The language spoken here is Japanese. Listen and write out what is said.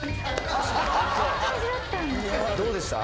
どうでした？